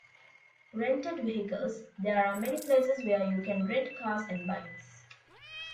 Rented Vehicles - There are many places where you can rent Cars and Bikes.